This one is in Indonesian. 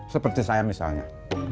seperti saya misalnya